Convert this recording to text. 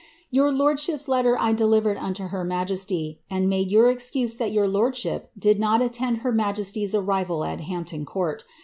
Your lord^liip's letter I delivered unto her n^ jf«ty, and made your excuse that your lord^hip did not attend hei roitfe>7'> arrival at Hampton Court.